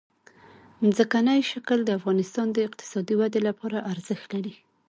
ځمکنی شکل د افغانستان د اقتصادي ودې لپاره ارزښت لري.